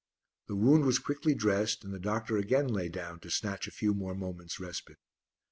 The wound was quickly dressed and the doctor again lay down to snatch a few more moments' respite.